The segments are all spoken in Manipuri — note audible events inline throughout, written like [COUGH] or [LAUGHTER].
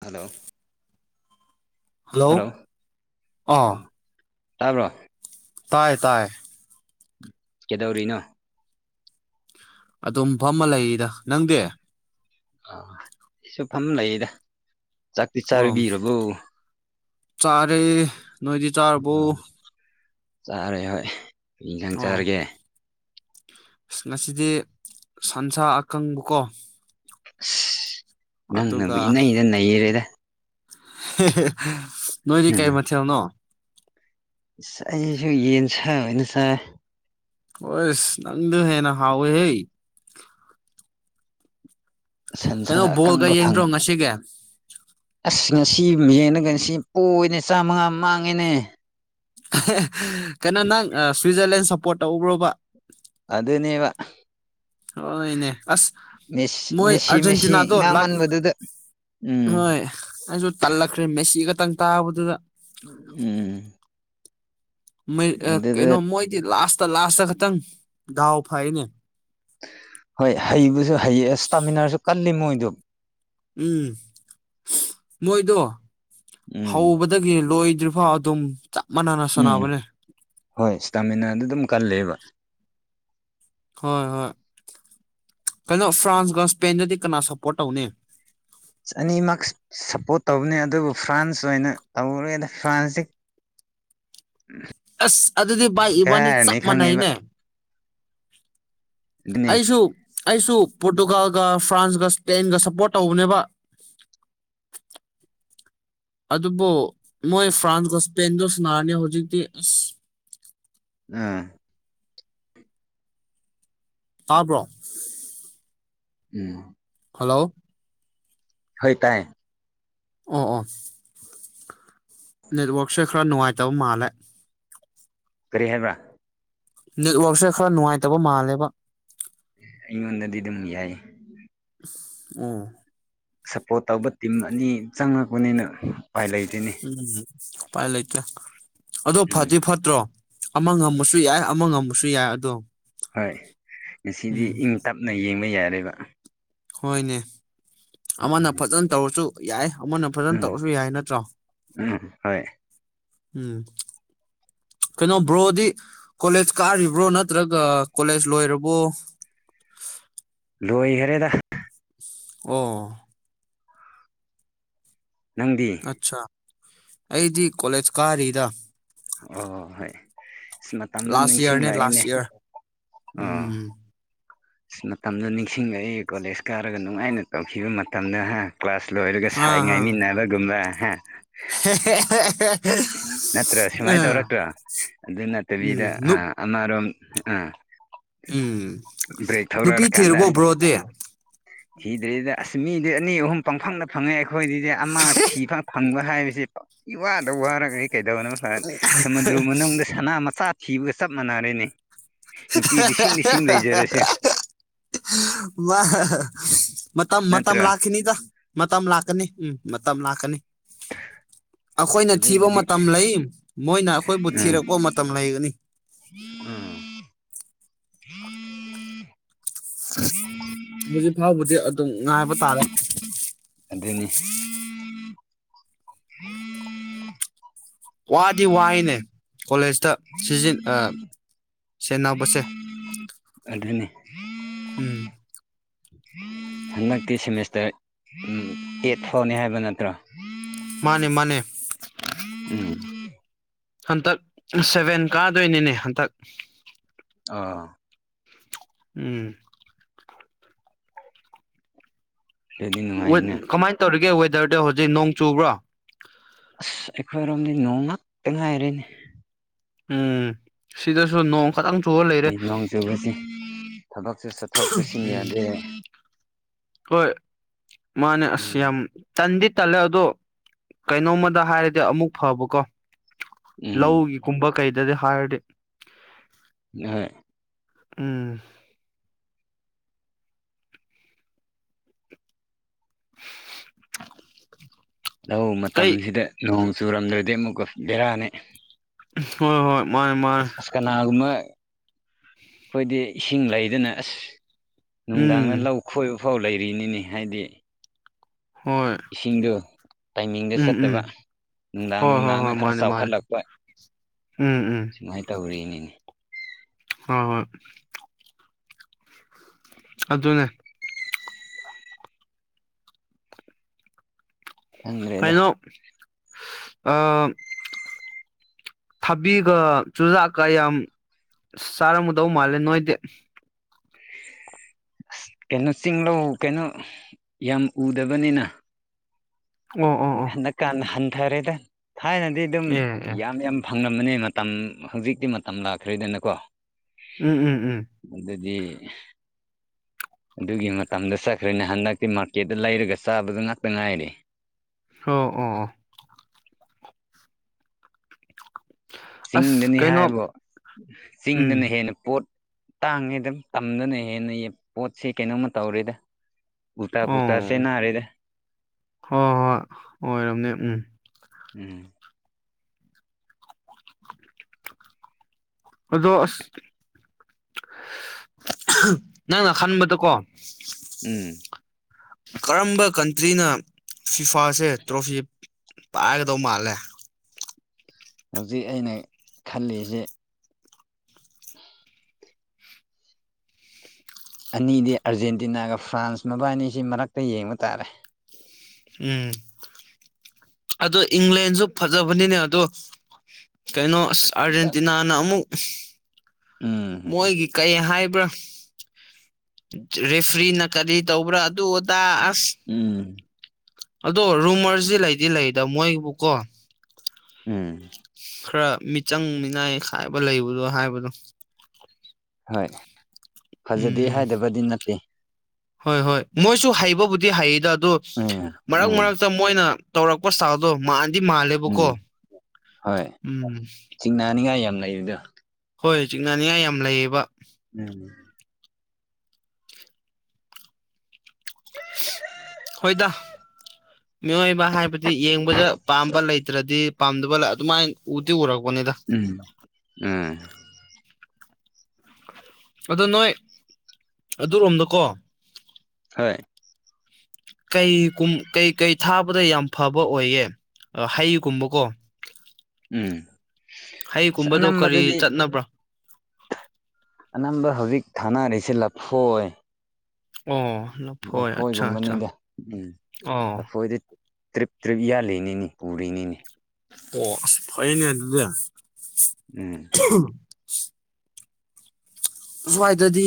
ꯍꯜꯂꯣ ꯍꯜꯂꯣ ꯑꯥ ꯂꫭ ꯇꯥꯕ꯭ꯔꯣ ꯇꯥꯏ ꯇꯥꯏ ꯀꯩꯗꯧꯔꯤꯅꯣ ꯑꯗꯨꯝ ꯐꯝꯃ ꯂꯩꯔꯤꯗ ꯅꯪꯗꯤ ꯑ ꯑꯩꯁꯨꯐꯝ ꯂꯩꯗ ꯆꯥꯛꯇꯤ ꯑꯣ ꯆꯥꯔꯨꯕꯤꯔꯕꯣ ꯆꯥꯔꯦ ꯅꯣꯏꯗꯤ ꯆꯥꯔꯕꯣ ꯑ ꯆꯥꯔꯦ ꯍꯣꯏ ꯀꯩ ꯏꯟꯖꯥꯡ ꯑꯣ ꯆꯥꯔꯒꯦ ꯑꯁ ꯉꯁꯤꯗꯤ ꯁꯟꯁꯥ ꯑꯀꯪꯕꯀꯣ [INAUDIBLE] ꯑꯗꯨꯒ ꯅꯪꯅꯕꯨ ꯏꯅꯩꯗ ꯅꯩꯔꯦꯗ ꯅꯣꯏꯗꯤ ꯀꯩ ꯎꯝ ꯃꯊꯦꯜꯅꯣ ꯑꯩꯁꯨ ꯌꯦꯟ ꯁꯥ ꯑꯣꯏꯅ ꯆꯥꯏ ꯑꯣꯏꯁ ꯅꯪꯗꫭ ꯍꯦꯟꯅ ꯍꯥꯎꯋꯦꯍꯦ ꯁꯟꯁꯥ ꯀꯩꯅꯣ ꯕꯣꯜꯒ ꯑꯀꯪꯕ ꯌꯦꯡꯗ꯭ꯔꯣ ꯐꯪ ꯉꯁꯤꯒꯤ ꯑꯁ ꯉꯁꯤ ꯃꯤꯌꯦꯟꯅꯥꯒ ꯉꯁꯤ ꯎ-ꯑꫭꯏꯅ ꯆꯥꯝꯃꯉꯥ ꯃꯥꯡꯉꯦꯅꯦ ꯀꯩꯅꯣ ꯅꯪ ꯁ꯭ꯋꯤꯖꯔꯂꯦꯟ ꯁꯞꯄꯣꯔꯠ ꯇꯧꯕ꯭ꯔꯣꯕ꯫ ꯑꯗꯨꯅꯦꯕ ꯑꯣꯏꯅꯦ ꯑꯁ ꯃꯦꯁꯤ ꯃꯣꯏ ꯃꯦꯁꯤ ꯃꯦꯁꯤ ꯑ꯭ꯔꯖꯦꯟꯇꯤꯅꯥꯗꯣ ꯂꯥꯛ ꯉꯥꯡꯃꯟꯕꯗꯨꯗ ꯎꯝ ꯍꯣꯏ ꯑꯩꯁꯨ ꯇꯜꯂꯛꯈ꯭ꯔꯦ ꯃꯦꯁꯤ ꯈꯠꯇꯪ ꯇꯥꯕꯗꯨꯗ ꯎꯝ꯫ ꯃꯩ ꯔꯛ ꯑꯗꯨꯗ ꯀꯩꯅꯣ ꯃꯣꯏꯗꯤ ꯂꯥꯁꯇ ꯂꯥꯁꯇ ꯈꯇꯪ ꯗꯥꯎ ꯐꯩꯅꯦ꯫ ꯍꯣꯏ ꯍꯩꯕꯁꯨ ꯍꯩꯌꯦ ꯏꯁ ꯇꯥꯃꯤꯟꯅꯔꯁꯨ ꯀꯜꯂꯤ ꯃꯣꯏꯗꯨ ꯎꯝ ꯃꯣꯏꯗꯣ ꯎꯝ ꯍꯧꯕ ꯗꯒꯤ ꯂꯣꯏꯗ꯭ꯔꯤꯐꯥꯎ ꯑꯗꯨꯝ ꯆꯞ ꯃꯥꯟꯅꯅ ꯎꯝ ꯁꯥꯟꯅꯕꯅꯦ꯫ ꯍꯣꯏ ꯁ꯭ꯇꯥꯃꯤꯅꯥꯗꫭ ꯑꯗꯨꯝ ꯀꯜꯂꯦꯕ꯫ ꯍꯣꯏ ꯍꯣꯏ ꯀꯩꯅꯣ ꯐ꯭ꯔꯥꯟꯁꯀ ꯏꯁꯄꯦꯟꯗꯗꯤ ꯀꯅꯥ ꯁꯞꯄꯣꯔꯠ ꯇꯧꯅꯤ꯫ ꯑꯅꯤꯃꯛ ꯁꯞꯄꯣꯔꯠ ꯇꯧꯕꯅꯦ ꯑꯗꯨꯕꯨ ꯐ꯭ꯔꯥꯟꯁ ꯑꯣꯏꯅ ꯇꯧꯔꯒꯦꯗ ꯐ꯭ꯔꯥꯟꯁꯇꯤ [INAUDIBLE] ꯑꯁ ꯑꯗꯨꯗꯤ ꯚꯏ ꯏꯕꯥꯅꯤ ꯀꯥꯔꯅꯤ ꯆꯞ ꯈꯪꯉꯦꯕ ꯃꯥꯟꯅꯩꯅꯦ ꯑꯗꯨꯅꯤ ꯑꯩꯁꯨ ꯑꯩꯁꯨ ꯄꯣꯔꯇꯨꯒꯥꯜꯒ ꯐ꯭ꯔꯥꯟꯁꯒ ꯏꯁꯄꯦꯟꯒ ꯁꯞꯄꯣꯔꯠ ꯇꯧꯕꯅꯦꯕ ꯑꯗꯨꯕꯨ ꯃꯣꯏ ꯐ꯭ꯔꯥꯟꯁꯀ ꯏꯁꯄꯦꯟꯗꫭ ꯁꯅꯥꯔꯅꯤ ꯍꯧꯖꯤꯛꯇꯤ ꯑꯁ ꯅꯥ ꯇꯥꯕ꯭ꯔꯣ ꯎꯝ ꯍꯜꯂꯣ ꯍꯣꯏ ꯇꯥꯏ ꯑꫭ ꯑꯣ ꯅꯦꯠꯋꯥꯔꯛꯁꯦ ꯈꯔ ꯅꯨꯡꯉꯥꯏꯇꯕ ꯃꯥꯜꯂꯦ ꯀꯔꯤ ꯍꯥꯏꯕ꯭ꯔꯥ ꯅꯦꯠꯋꯔꯛꯁꯦ ꯈꯔ ꯅꯨꯡꯉꯥꯏꯇꯕ ꯃꯥꯜꯂꯦꯕ ꯑꯩꯉꯣꯟꯗꯗꯤ ꯑꯗꯨꯝ ꯌꯥꯏꯌꯦ ꯎꯁ ꯑꯥ ꯁꯞꯄꯣꯔꯠ ꯇꯧꯕ ꯇꯤꯝ ꯑꯅꯤ ꯆꯪꯉꯛꯄꯅꯤꯅ ꯎꯄꯥꯏ ꯂꯩꯇꯦꯅꯦ ꯎꯝ ꯎꯄꯥꯏ ꯂꯩꯇꯦ ꯑꯗꯣ ꯎꯝ ꯐꯗꯤ ꯐꯠꯇ꯭ꯔꯣ ꯑꯃ ꯉꯝꯃꯁꯨ ꯌꯥꯏ ꯑꯃ ꯉꯝꯃꯁꯨ ꯌꯥꯏ ꯑꯗꯣ ꯍꯣꯏ ꯉꯁꯤꯗꯤ ꯎꯝ ꯏꯪ ꯇꯞꯅ ꯌꯦꯡꯕ ꯌꯥꯔꯦꯕ ꯍꯣꯏꯅꯦ ꯑꯃꯅ ꯐꯖꯅ ꯇꯧꯔꯁꯨ ꯌꯥꯏ ꯑꯃꯅ ꯐꯖꯅ ꯎꯝ ꯇꯧꯔꯁꯨ ꯌꯥꯏ ꯅꯠꯇ꯭ꯔꯣ ꯎꯝ ꯍꯣꯏ ꯎꯝ ꯀꯩꯅꯣ ꯕ꯭ꯔꯣꯗꯤ ꯀꯣꯂꯦꯖ ꯀꯥꯔꯤꯕ꯭ꯔꯣ ꯅꯠꯇ꯭ꯔꯒ ꯀꯣꯂꯦꯖ ꯂꯣꯏꯔꯕꯣ ꯂꯣꯏꯒꯔꯦꯗ ꯑꯣ ꯅꯪꯗꯤ ꯑꯠꯁꯥ ꯑꯩꯗꯤ ꯀꯣꯂꯦꯖ ꯀꯥꯔꯤꯗ ꯑꯣ ꯍꯣꯏ ꯑꯁ ꯃꯇꯝꯗꯣ ꯂꯥꯁ ꯏꯌꯥꯔꯅꯦ ꯅꯤꯡꯁꯤꯡꯂꯛꯑꯦꯅꯦ ꯂꯥꯁ ꯏꯌꯥꯔ ꯑꯥ ꯎꯝ ꯑꯁ ꯃꯇꯝꯗꯣ ꯅꯤꯡꯁꯤꯡꯉꯛꯏ ꯀꯣꯂꯦꯖ ꯀꯥꯔꯒ ꯅꯨꯡꯉꯥꯏꯅ ꯇꯧꯈꯤꯕ ꯃꯇꯝꯗ ꯍꯥ ꯀ꯭ꯂꯥꯁ ꯂꯣꯏꯍꯔꯒ ꯁꯥꯏ ꯑꯥ ꯑꯥ ꯉꯥꯏꯃꯤꯟꯅꯕꯒꯨꯝꯕ ꯍꯥ [UNINTELLIGIBLE] ꯅꯠꯇ꯭ꯔ ꯑ ꯁꯨꯃꯥꯏꯅ ꯇꯧꯔꯛꯇ꯭ꯔꯣ ꯑꯗꯨ ꯅꯠꯇꯕꯤꯗ ꯎꯝ ꯑꯥ ꯑꯃꯔꯣꯝ ꯎꯝ ꯕ꯭ꯔꯦꯛ ꯊꯧꯔ ꯅꯨꯄꯤ ꯔꯀꯥꯟꯗ ꯊꯤꯔꯕꯣ ꯕ꯭ꯔꯣꯗꯤ ꯊꯤꯗ꯭ꯔꯤꯗ ꯑꯁ ꯃꯤꯗꯤ ꯑꯅꯤ ꯑꯍꯨꯝ ꯄꯪꯐꯪꯗ ꯐꯪꯉꯦ ꯑꯩꯈꯣꯏꯗꯤꯗꯤ ꯑꯃ ꯊꯤꯕ ꯐꯪꯕ ꯍꯥꯏꯕꯁꯤ ꯄꯪ ꯏꯋꯥꯗ ꯋꯥꯔꯒꯗꯤ ꯀꯩꯗꯧꯅ ꯐꯅꯤ ꯁꯃꯨꯗ꯭ꯔꯨ ꯃꯅꯨꯡꯗ ꯁꯅꯥ ꯃꯆꯥ ꯊꯤꯕꯒ ꯆꯞ ꯃꯥꯟꯅꯔꯦꯅꯦ ꯅꯨꯄꯤ ꯂꯤꯁꯤꯡ ꯂꯤꯁꯤꯡ ꯂꯩꯖꯔꯁꯨ [UNINTELLIGIBLE] ꯃꯥ ꯃꯇꯝ ꯃꯇꯝ ꯅꯠꯇ꯭ꯔꯥ ꯂꯥꯈꯤꯅꯤꯗ ꯃꯇꯝ ꯂꯥꯛꯀꯅꯤ ꯎꯝ ꯃꯇꯝ ꯂꯥꯛꯀꯅꯤ [INAUDIBLE] ꯑꯩꯈꯣꯏꯅ ꯊꯤꯕ ꯑꯗꯨꯕꯨꯗꯤ ꯃꯇꯝ ꯂꯩ ꯃꯣꯏꯅ ꯑꯩꯈꯣꯏꯕꯨ ꯎꯝ ꯊꯤꯔꯛꯄ ꯃꯇꯝ ꯂꯩꯒꯅꯤ [INAUDIBLE] [INAUDIBLE] ꯍꯧꯖꯤꯛ ꯐꯥꯎꯕꯗꯤ ꯑꯗꯨꯝ ꯉꯥꯏꯕ ꯇꯥꯔꯦ ꯑꯗꯨꯅꯤ [INAUDIBLE] ꯋꯥꯗꯤ ꯋꯥꯏꯅꯦ ꯀꯣꯂꯦꯖꯇ ꯁꯤꯖꯤ ꯑꯥ ꯁꯦꯟꯅꯕꯁꯦ ꯑꯗꯨꯅꯦ ꯎꯝ ꯍꯟꯗꯛꯇꯤ ꯁꯦꯃꯤꯁꯇ꯭ꯔ ꯑꯦꯠ ꯐꯥꯎꯅꯤ ꯍꯥꯏꯕ ꯅꯠꯇ꯭ꯔꯣ ꯃꯥꯅꯦ ꯃꯥꯅꯦ ꯎꯝ ꯍꯟꯇꯛ ꯁꯚꯦꯟ ꯀꯥꯗꯣꯏꯅꯤꯅꯦ ꯍꯟꯇꯛ ꯑꯥ ꯎꯝ ꯑꯗꯨꯗꯤ ꯋꯦꯠ ꯅꯨꯡꯉꯥꯏꯅꯦ ꯀꯃꯥꯏꯟ ꯇꯧꯔꯤꯒꯦ ꯋꯦꯗꯔꯗꯣ ꯍꯧꯖꯤꯛ ꯅꯣꯡ ꯆꯨꯕ꯭ꯔꯣ ꯑꯁ ꯑꯩꯈꯣꯏꯔꯣꯝꯗꯤ ꯅꯣꯡ ꯉꯥꯛꯇꯥ ꯉꯥꯏꯔꯦꯅꯦ ꯎꯝ ꯁꯤꯗꯁꯨ ꯅꯣꯡ ꯈꯛꯇꯪ ꯅꯣꯡ ꯆꯨꯕꯁꯤ ꯊꯕꯛꯁꯨ ꯆꯠꯊꯣꯛ ꯆꯠꯁꯤꯟ ꯎꯝ ꯌꯥꯗꯦ ꯍꯣꯏ ꯃꯥꯅ ꯑꯁ ꯎꯝ ꯌꯥꯝ ꯇꯟꯗꯤ ꯇꯜꯂꯦ ꯑꯗꯣ ꯀꯩꯅꯣꯝꯃꯗ ꯍꯥꯏꯔꯗꯤ ꯑꯃꯨꯛ ꯐꯕꯀꯣ ꯎꯝ ꯂꯧꯒꯤꯒꯨꯝꯕ ꯀꯩꯗꯗꯤ ꯍꯥꯏꯔꯗꯤ ꯌꯥꯔꯦ ꯎꯝ ꯂꯧ ꯀꯩ ꯃꯇꯝꯖꯤꯗ ꯅꯣꯡ ꯆꯨꯔꯝꯗ꯭ꯔꯥꯗꯤ ꯑꯃꯨꯛꯀꯥ ꯕꯦꯔꯥꯅꯤ ꯍꯣꯏ ꯍꯣꯏ ꯃꯥꯅꯦ ꯃꯥꯅꯦ ꯑꯁ ꯀꯅꯥꯒꯨꯝꯕ ꯑꯩꯈꯣꯏꯗꯤ ꯏꯁꯤꯡ ꯂꯩꯗꯅ ꯑꯁ ꯅꯨꯡꯗꯥꯡꯗ ꯎꯝ ꯂꯧ ꯈꯣꯏꯕ ꯐꯥꯎ ꯂꯩꯔꯤꯅꯤꯅꯦ ꯍꯥꯏꯗꯤ ꯍꯣꯏ ꯏꯁꯤꯡꯗꯣ ꯇꯥꯏꯃꯤꯡꯗ ꯎꯝ ꯎꯝ ꯆꯠꯇꯕ ꯅꯨꯡꯗꯥꯡ ꯍꯣꯏ ꯍꯣꯏ ꯅꯨꯡꯗꯥꯡꯅ ꯍꯣꯏ ꯈꯔ ꯃꯥꯅꯦ ꯃꯥꯅꯦ ꯆꯥꯎꯈꯠꯂꯛꯄ ꯎꯝ ꯎꯝ ꯁꯨꯃꯥꯏꯅ ꯇꯧꯔꯤꯅꯤꯅꯦ ꯍꯣ ꯍꯣꯏ ꯑꯗꯨꯅꯦ ꯈꯪꯗ꯭ꯔꯦꯗ ꯀꯩꯅꯣ ꯑꯥ ꯊꯕꯤꯒ ꯆꯨꯖꯥꯛꯀꯥ ꯌꯥꯝ ꯆꯥꯔꯝꯒꯗꯧ ꯃꯥꯜꯂꯦ ꯅꯣꯏꯗꯤ ꯑꯁ ꯀꯩꯅꯣ ꯆꯤꯡꯂꯧ ꯀꯩꯅꯣ ꯌꯥꯝ ꯎꯗꯕꯅꯤꯅ ꯑꯣ ꯑꯣ ꯑꯣ ꯍꯟꯗꯛ ꯀꯥꯟ ꯍꯟꯊꯔꯦꯗ ꯊꯥꯏꯅꯗꯤ ꯑꯗꯨꯝ ꯑꯦ ꯑꯦ ꯌꯥꯝ ꯌꯥꯝ ꯐꯪꯂꯝꯕꯅꯤ ꯃꯇꯝ ꯍꯧꯖꯤꯛꯇꯤ ꯃꯇꯝ ꯂꯥꯛꯈ꯭ꯔꯦꯗꯅꯀꯣ ꯎꯝ ꯎꯝ ꯎꯝ ꯑꯗꯨꯗꯤ ꯑꯗꯨꯒꯤ ꯃꯇꯝꯗ ꯆꯠꯈ꯭ꯔꯦꯅꯦ ꯍꯟꯗꯛꯇꯤ ꯃꯥꯔꯀꯦꯠꯇꯥ ꯂꯩꯔꯒ ꯆꯥꯕꯗꯣ ꯉꯥꯛꯇꯥ ꯉꯥꯏꯔꯦ ꯍꯣ ꯑꯣ ꯑꯣ ꯑꯁ ꯆꯤꯡꯗꯅꯤ ꯀꯩꯅꯣ ꯍꯥꯏꯕꯨ ꯎꯝ ꯆꯤꯡꯗꯅ ꯍꯦꯟꯅ ꯄꯣꯠ ꯇꯥꯡꯉꯦꯗ ꯇꯝꯗꯅ ꯍꯦꯟꯅ ꯄꯣꯠꯁꯦ ꯀꯩꯅꯣꯝꯃꯥ ꯇꯧꯔꯦꯗ ꯎꯨꯜꯇꯥ ꯑꯣ ꯄꯨꯨꯜꯇꯥ ꯍꯣꯏ ꯆꯦꯅꯔꯦꯗ ꯍꯣꯏ ꯑꯣꯏꯔꯝꯅꯦ ꯎꯝ ꯎꯝ [INAUDIBLE] ꯑꯗꯣ ꯑꯁ ꯅꯪꯅ ꯈꯟꯕꯗꯀꯣ ꯎꯝ ꯀꯔꯝꯕ ꯀꯟꯇ꯭ꯔꯤꯅ ꯐꯤꯐꯥꯁꯦ ꯇ꯭ꯔꯣꯐꯤ ꯄꯥꯏꯒꯗꯧ ꯃꯥꯜꯂꯦ ꯍꯧꯖꯤꯛ ꯑꯩꯅ ꯈꯜꯂꯤꯖꯦ [UNINTELLIGIBLE] ꯑꯅꯤꯗꯤ ꯑꯥꯔꯖꯦꯟꯇꯤꯅꯥꯒ ꯐ꯭ꯔꯥꯟꯁ ꯃꯕꯥꯅꯤꯁꯤ ꯃꯔꯛꯇ ꯌꯦꯡꯕ ꯇꯥꯔꯦ ꯎꯝ ꯑꯗꯣ ꯏꯪꯂꯦꯟꯁꯨ ꯐꯖꯕꯅꯤꯅꯦ ꯑꯗꯣ ꯀꯩꯅꯣ ꯑꯁ ꯑꯔꯖꯦꯟꯇꯤꯟꯅꯥꯅ ꯑꯃꯨꯛ ꯎꯝ ꯃꯣꯏꯒꯤ ꯀꯩ ꯍꯥꯏꯕ꯭ꯔꯥ ꯔꯦꯐ꯭ꯔꯤꯅ ꯀꯔꯤ ꯇꯧꯕ꯭ꯔꯥ ꯑꯗꯨ ꯑꯗꯥ ꯑꯁ ꯎꯝ ꯑꯗꯣ ꯔꯨꯃꯔꯁꯤ ꯂꯩꯗꯤ ꯂꯩꯗ ꯃꯣꯏꯕꯨꯀꯣ ꯎꯝ ꯈꯔ ꯃꯤꯆꯪ ꯃꯤꯅꯥꯏ ꯈꯥꯏꯕ ꯂꯩꯕꯗꯣ ꯍꯥꯏꯕꯗꯣ ꯍꯣꯏ ꯐꯖꯗꯦ ꯎꯝ ꯍꯥꯏꯗꯕꯗꯤ ꯅꯠꯇꯦ ꯍꯣꯏ ꯍꯣꯏ ꯃꯣꯏꯁꯨ ꯍꯩꯕꯕꯨꯗꯤ ꯍꯩꯗ ꯑꯗꯣ ꯎꯝ ꯃꯔꯛ ꯎꯝ ꯃꯔꯛꯇ ꯃꯣꯏꯅ ꯇꯧꯔꯛꯄ ꯁ꯭ꯇꯥꯜꯗꯣ ꯃꯥꯟ ꯎꯝ ꯍꯣꯏ ꯎꯝ ꯆꯤꯡꯅꯅꯤꯡꯉꯥꯏ ꯌꯥꯝ ꯂꯩꯔꯤꯗ ꯍꯣꯏ ꯆꯤꯡꯅꯅꯤꯡꯉꯥꯏ ꯌꯥꯝ ꯂꯩꯌꯦꯕ ꯎꯝ ꯍꯣꯏꯗ [INAUDIBLE] ꯃꯤꯑꯣꯏꯕ ꯍꯥꯏꯕꯗꯤ ꯌꯦꯡꯕꯗ ꯄꯥꯝꯕ ꯂꯩꯇ꯭ꯔꯗꯤ ꯄꯥꯝꯗꯕ ꯑꯗꯨꯃꯥꯏꯟ ꯎꯗꯤ ꯎꯔꯛꯄꯅꯤꯗ ꯎꯝ ꯎꯝ ꯑꯗꯣ ꯅꯣꯏ ꯑꯗꯨꯔꯣꯝꯗꯀꯣ ꯍꯣꯏ ꯀꯩꯀꯨꯝ ꯀꯩꯀꯩ ꯊꯥꯕꯗ ꯌꯥꯝ ꯐꯕ ꯑꯣꯏꯌꯦ ꯑ ꯍꯩꯒꯨꯝꯕꯀꯣ ꯎꯝ ꯑꯁ ꯍꯩꯒꯨꯝꯕꯗꯣ ꯀꯔꯤ ꯑꯅꯝꯕꯗꯗꯤ ꯆꯠꯅꯕ꯭ꯔꯥ ꯑꯅꯝꯕ ꯍꯧꯖꯤꯛ ꯊꯥꯅꯔꯤꯁꯦ ꯂꯐꯣꯏ ꯑꯣ ꯂ ꯂꯐꯣꯏꯒꯨꯝꯕꯅꯤꯗ ꯎꯝ ꯑꯣ ꯂꯐꯣꯏꯗꯤ ꯇ꯭ꯔꯤꯞ ꯇ꯭ꯔꯤꯞ ꯌꯥꯜꯂꯤꯅꯤꯅꯤ ꯄꯨꯔꯤꯅꯤꯅꯦ ꯑꯣ ꯑꯁ ꯐꯩꯌꯦꯅꯦ ꯑꯗꯨꯗꯤ ꯎꯝ [UNINTELLIGIBLE] ꯑꯁ꯭ꯋꯥꯏꯗꯗꯤ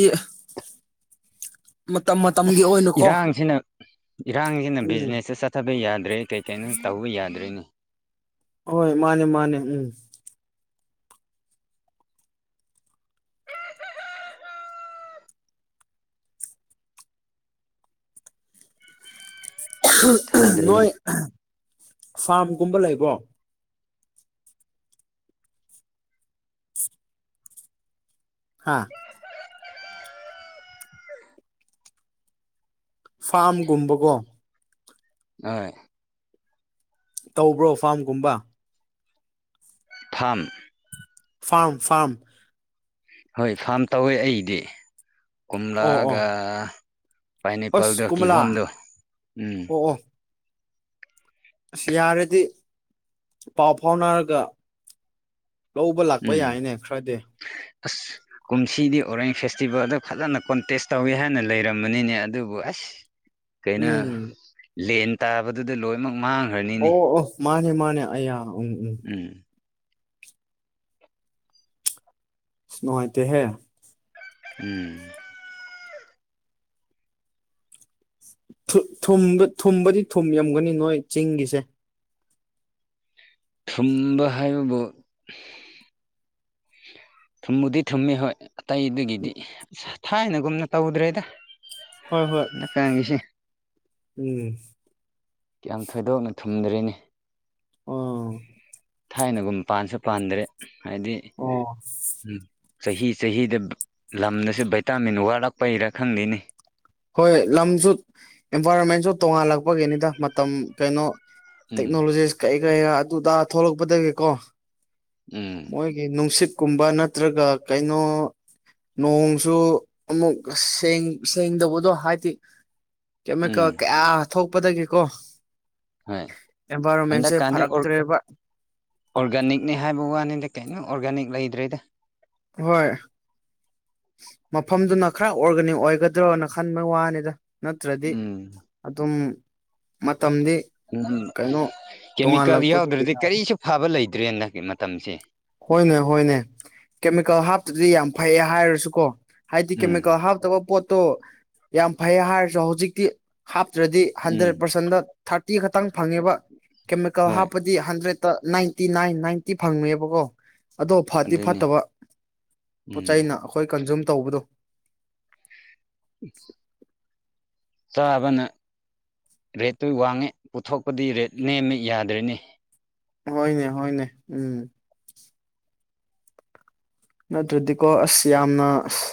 ꯃꯇꯝ ꯃ ꯑꯁ ꯏꯔꯥꯡꯁꯤꯅ ꯏꯔꯥꯡꯁꯤꯅ ꯎꯝ ꯕꯤꯖꯤꯅꯦꯁꯁꯦ ꯆꯠ ꯊꯕ ꯌꯥꯗ꯭ꯔꯦ ꯀꯩ ꯀꯩꯅꯣ ꯇꯧꯕ ꯌꯥꯗ꯭ꯔꯦꯅꯦ ꯍꯣꯏ ꯃꯥꯅꯦ ꯃꯥꯅꯦ ꯎꯝ ꯅꯣꯏ ꯈꯪꯗ꯭ꯔꯦꯅꯦ ꯐꯥꯝꯒꯨꯝꯕ ꯂꯩꯕ꯭ꯔꯣ ꯍꯥꯥ ꯐꯥꯝꯒꯨꯝꯕꯀꯣ ꯍꯣꯏ ꯇꯧꯕ꯭ꯔꯣ ꯐꯥꯝꯒꯨꯝꯕ ꯐꯥꯝ ꯐꯥꯝ ꯐꯥꯝ ꯍꯣꯏ ꯐꯥꯝ ꯇꯧꯋꯦ ꯑꯩꯗꯤ ꯑꯣ ꯑꯣ ꯀꯣꯝꯂꯥꯒ ꯑꯁ ꯄꯥꯏꯅꯦꯄꯜꯗꯣ ꯀꯣꯃꯂꯥ ꯀꯤꯍꯣꯝꯗꯣ ꯎꯝ ꯑꯣ ꯑꯣ ꯑꯁ ꯌꯥꯔꯗꯤ ꯄꯥꯎ ꯐꯥꯎꯅꯔꯒ ꯂꯧꯕ ꯂꯥꯛꯄ ꯎꯝ ꯌꯥꯏꯅꯦ ꯈꯔꯗꯤ ꯑꯁ ꯀꯨꯝꯁꯤꯗꯤ ꯑꯣꯔꯦꯟꯖ ꯐꯦꯁꯇꯤꯚꯦꯜꯗ ꯐꯖꯅ ꯀꯣꯟꯇꯦꯁ ꯇꯧꯋꯤ ꯍꯥꯏꯅ ꯂꯩꯔꯝꯕꯅꯤꯅꯦ ꯑꯗꯨꯕꯨ ꯑꯁ ꯀꯩꯅꯣ ꯎꯝ ꯂꯦꯟ ꯇꯥꯕꯗꯨꯗ ꯂꯣꯏꯅꯃꯛ ꯃꯥꯡꯈ꯭ꯔꯅꯤꯅꯦ ꯑꯣ ꯑꯣ ꯃꯥꯅꯦ ꯃꯥꯅꯦ ꯑꯌꯥ ꯎꯝ ꯎꯝ ꯎꯝ ꯁꯤꯅꯨꯡꯉꯥꯏꯇ‌ꯦ ꯍꯦ ꯎꯝ ꯊꯨ ꯊꯨꯝꯕ ꯊꯨꯝꯕꯥꯗꯤ ꯊꯨꯝ ꯌꯥꯝꯒꯅꯤ ꯅꯣꯏ ꯆꯤꯡꯒꯤꯁꯦ ꯊꯨꯝꯕ ꯍꯥꯏꯕꯕꯨ ꯊꯨꯝꯕꯨꯗꯤ ꯊꯨꯝꯃꯤ ꯍꯣꯏ ꯑꯇꯩꯗꯒꯤꯗꯤ ꯑꯁ ꯊꯥꯏꯅꯒꯨꯝꯅ ꯇꯧꯗ꯭ꯔꯦꯗ ꯍꯣꯏ ꯍꯣꯏ ꯀꯁꯤ ꯎꯝ ꯀꯌꯥꯝ ꯊꯣꯏꯗꯣꯛꯅ ꯊꯨꯝꯗ꯭ꯔ‌ꯦꯅ‌ꯦ ꯑꯥ ꯊꯥꯏꯅꯒꯨꯝ ꯄꯥꯟꯁꯨ ꯄꯥꯟꯗ꯭ꯔꯦ ꯍꯥꯏꯗꯤ ꯑꯣ ꯎꯝ ꯆꯍꯤ ꯆꯍꯤꯗ ꯂꯝꯅꯁꯨ ꯚꯥꯏꯇꯥꯃꯤꯟ ꯋꯥꯠꯂꯛꯄꯩꯔꯥ ꯈꯪꯗ‌ꯦꯅ‌ꯦ ꯍꯣꯏ ꯂꯝꯁꯨ ꯏꯟꯚꯥꯏꯔꯣꯟꯃꯦꯟꯁꯨ ꯇꯣꯡꯉꯥꯜꯂꯛꯄꯒꯤꯅꯤꯗ ꯃꯇꯝ ꯀꯩꯅꯣ ꯎꯝ ꯇꯦꯛꯅꯣꯂꯣꯖꯤꯁ ꯀꯩ ꯀꯩꯌꯥ ꯑꯗꯨ‌ ꯊꯣꯛꯂꯛꯄꯗꯒꯤꯀꯣ ꯎꯝ ꯃꯣꯏꯒꯤ ꯅꯨꯡꯁꯤꯠꯀꯨꯝꯕ ꯅꯠꯇ꯭ꯔꯒ ꯀꯩꯅꯣ ꯅꯣꯡꯁꯨ ꯑꯃꯨꯛ ꯁ‌ꯦꯡ ꯁꯦꯡ ꯇꯧꯕ ꯑꯗꯣ ꯍꯥꯏꯗꯤ ꯀꯦꯃꯤꯀꯦꯜ ꯎꯝ ꯀꯌꯥ ꯊꯣꯛꯄꯗꯒꯤꯀꯣ ꯍꯣꯏ ꯑꯦꯟꯚꯥꯏꯔꯣꯟꯃꯦꯟꯁꯦ ꯍꯟꯗꯛꯀꯥꯟꯗꯤ ꯑꯣꯔ ꯐꯔꯛꯇ꯭ꯔꯦꯕ ꯑꯣꯔꯒꯥꯅꯤꯛꯅꯤ ꯍꯥꯏꯕ ꯋꯥꯅꯤꯗ ꯀꯩꯅꯣ ꯑꯣꯔꯒꯥꯅꯤꯛ ꯂꯩꯗ꯭ꯔꯦꯗ ꯍꯣꯏ ꯃꯐꯝꯗꯨꯅ ꯈꯔ ꯑꯣꯔꯒꯥꯅꯤꯛ ꯑꯣꯏꯒꯗ꯭ꯔꯣꯅ ꯈꯟꯕꯩ ꯋꯥꯅꯤꯗ ꯅꯠꯇ꯭ꯔꯗꯤ ꯎꯝ ꯑꯗꯨꯝ ꯃꯇꯝꯗꯤ ꯎꯝ ꯀꯩꯅꯣ ꯀꯦꯃꯤꯀꯦꯜ ꯇꯣꯉꯥꯜꯂꯛꯄꯒꯤ ꯌꯥꯎꯗ꯭ꯔꯗꯤ ꯀꯔꯤꯁꯨ ꯐꯕ ꯂꯩꯇ꯭ꯔꯦ ꯍꯟꯗꯛꯀꯤ ꯃꯇꯝꯁꯦ ꯍꯣꯏꯅꯦ ꯍꯣꯏꯅꯦ ꯀꯦꯃꯤꯀꯦꯜ ꯍꯥꯞꯇꯗꯤ ꯌꯥꯝ ꯐꯩꯌꯦ ꯍꯥꯏꯔꯁꯨꯀꯣ ꯍꯥꯏꯗꯤ ꯎꯝ ꯀꯦꯃꯤꯀꯦꯜ ꯍꯥꯞꯇꯕ ꯄꯣꯠꯇꯣ ꯌꯥꯝ ꯐꯩ ꯍꯥꯏꯔꯁꯨ ꯍꯧꯖꯤꯛꯇꯤ ꯍꯥꯞꯇ꯭ꯔꯗꯤ ꯎꯝ ꯍꯟꯗ꯭ꯔꯦꯠ ꯄꯥꯔꯁꯦꯟꯗ ꯊꯥꯔꯇꯤ ꯈꯛꯇꯪ ꯐꯪꯉꯦꯕ ꯀꯦꯃꯤꯀꯦꯜ ꯍꯣꯏ ꯍꯥꯞꯄ ꯗꯤ ꯍꯟꯗ꯭ꯔꯦꯗꯠꯇ ꯅꯥꯏꯟꯇꯤ ꯅꯥꯏꯟ ꯅꯥꯏꯟꯇꯤ ꯐꯪꯉꯕꯀꯣ ꯑꯗꯣ ꯐꯗꯤ ꯑꯗꯨꯅꯤ ꯐꯠꯇꯕ ꯄꯣꯠ ꯎꯝ ꯆꯩꯩꯅ ꯑꯈꯣꯏ ꯀꯟꯖꯨꯝ ꯇꯧꯕꯗꯣ [INAUDIBLE] ꯆꯥꯕꯅ ꯔꯦꯠꯇꯨ ꯋꯥꯡꯉꯦ ꯄꯨꯊꯣꯛꯄꯗꯤ ꯔꯦꯠ ꯅꯦꯝꯃꯦ ꯌꯥꯗ꯭ꯔ‌ꯦꯅ‌ꯦ ꯍꯣꯏꯅꯦ ꯍꫭꯏꯅ‌ꯦ ꯎꯝ ꯅꯠꯇ꯭ꯔꯗꯤꯀꯣ ꯑꯁ ꯌꯥꯝꯅ ꯑꯁ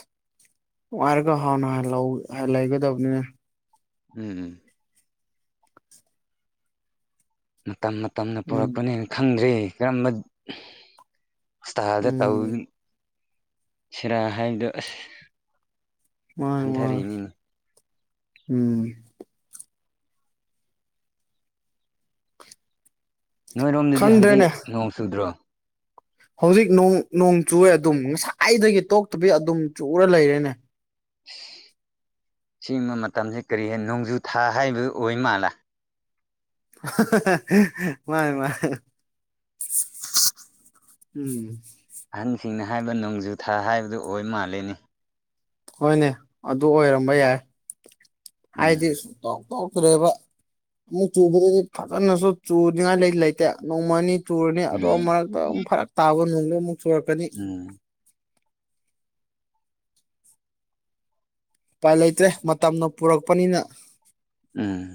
ꯋꯥꯔꯒ ꯍꯥꯎꯅꯥꯟꯅ ꯂꯧ ꯂꯩꯒꯗꯕꯅꯤ ꯎꯝ ꯃꯇꯝ ꯃꯇꯝꯅ ꯎꯝ ꯄꯨꯔꯛꯄꯅꯦꯅ ꯈꯪꯗ꯭ꯔꯦ ꯀꯔꯝꯕ ꯑꯁꯇꯥꯗ ꯇꯧ ꯎꯝ ꯁꯤꯔꯥ ꯍꯥꯏꯗꯣ ꯑꯁ ꯃꯥ ꯃꯥ ꯍꯟꯊꯔꯤꯅꯤꯅꯦ ꯎꯝ ꯅꯣꯏꯔꯣꯝꯗꯗꯤ ꯍꯟꯖꯤꯛ ꯈꯪꯗ꯭ꯔꯦꯅꯦ ꯅꯣꯡ ꯆꯨꯗ꯭ꯔꯣ ꯍꯧꯖꯤꯛ ꯅꫭꯡ ꯅꯣꯡ ꯆꯨꯨꯋ‌ꯦ ꯑꯗꯨꯝ ꯉꯁꯥꯏꯗꯒꯤ ꯇꯣꯛꯇꯕꯤ ꯑꯗꯨꯝ ꯆꯨꯔ ꯂꯩꯔꯦꯅꯦ ꯆꯤꯝꯕ ꯃꯇꯝꯖꯦ ꯀꯔꯤ ꯍꯥꯏ ꯅꯣꯡꯖꯨ ꯊꯥ ꯍꯥꯏꯕ ꯑꯣꯏ ꯃꯥꯜꯂ‌ꯦ ꯃꯥꯅꯦ ꯃꯥꯥꯏ ꯎꯝ ꯑꯍꯟꯁꯤꯡꯅ ꯍꯥꯏꯕ ꯅꯣꯡꯖꯨ ꯊꯥ ꯍꯥꯏꯕꯗꯨ ꯑꯣꯏ ꯃꯥꯜꯂ‌ꯦꯅ‌ꯦ ꯍꯣꯏꯅꯦ ꯑꯗꯨ ꯑꯣꯏꯔꯝꯕ ꯌꯥꯏ ꯎꯝ ꯍꯥꯏꯗꯤ ꯁꯨꯡꯇꯣꯛ ꯇꯣꯛꯇ꯭ꯔꯦꯕ ꯑꯃꯨꯛ ꯆꯨꯕꯗꯗꯤ ꯐꯖꯅꯁꯨ ꯆꯨꯔꯤꯉꯥꯏ ꯂꯩ ꯂꯩꯇꯦ ꯅꯣꯡꯃ‌ꯑꯅꯤ ꯆꯨꯔꯅꯤ ꯎꯝ ꯑꯗꯣꯝ ꯃꯔꯛꯇꯥ ꯑꯃꯨꯛ ꯐꯔꯛ ꯇꯥꯕ ꯅꯣꯡꯖꯨ ꯑꯃꯨꯛ ꯆꯨꯔꯛꯀꯥꯅꯤ ꯎꯝ ꯎꯄꯥꯏ ꯂꯩꯇ꯭ꯔꯦ ꯃꯇꯝꯅ ꯄꯨꯔꯛꯄꯅꯤꯅ ꯎꯝ